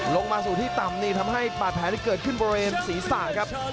ลงมาสู่ที่ต่ำนี่ทำให้บาดแผลที่เกิดขึ้นบริเวณศีรษะครับ